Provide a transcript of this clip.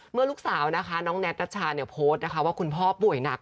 เมื่อลูกสาวน้องแน็ทรัชชาโพสต์ว่าคุณพ่อป่วยนัก